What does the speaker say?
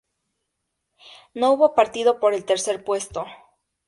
No hubo partido por el tercer puesto.